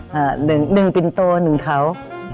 หนึ่งปิ่นโตหนึ่งเขา